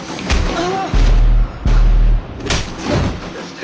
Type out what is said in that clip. ああ。